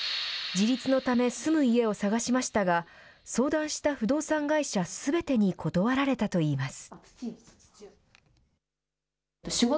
自立のため、住む家を探しましたが、相談した不動産会社すべてに断られたといいます。